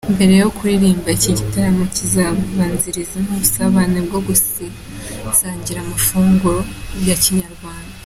Mbere yo kuririmba, iki gitaramo kizabanzirizwa n’ubusabane bwo gusangira amafunguro ya Kinyarwanda.